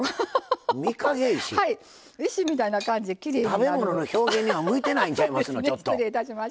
食べ物の表現には向いてないんちゃいますの？